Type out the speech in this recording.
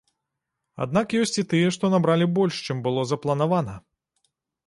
Аднак ёсць і тыя, што набралі больш, чым было запланавана.